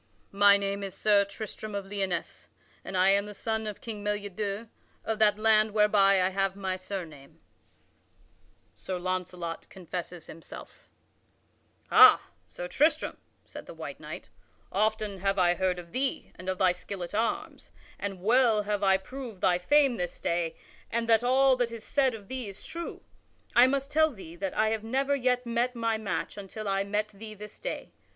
My name is Sir Tristram of Lyonesse, and I am the son of King Meliadus of that land whereby I have my surname." [Sidenote: Sir Launcelot confesses himself] "Ha, Sir Tristram," said the white knight, "often have I heard of thee and of thy skill at arms, and well have I proved thy fame this day and that all that is said of thee is true. I must tell thee that I have never yet met my match until I met thee this day.